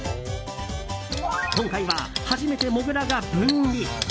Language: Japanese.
今回は、初めてモグラが分離。